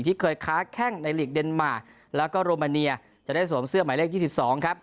ที่เคยค้าแข้งในหลีกเดนมาร์แล้วก็โรมาเนียจะได้สวมเสื้อหมายเลข๒๒ครับ